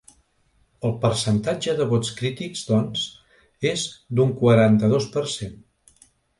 El percentatge de vots crítics, doncs, és d’un quaranta-dos per cent.